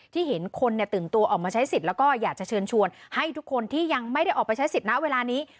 เห็นคนตื่นตัวออกมาใช้สิทธิ์แล้วก็อยากจะเชิญชวนให้ทุกคนที่ยังไม่ได้ออกไปใช้สิทธิ์ณเวลานี้